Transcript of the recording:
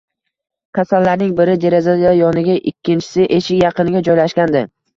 Kasallarning biri deraza yoniga, ikkinchisi eshik yaqiniga joylashgandi